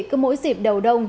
cứ mỗi dịp đầu đông